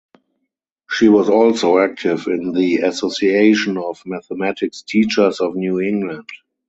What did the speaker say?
She was also active in the Association of Mathematics Teachers of New England.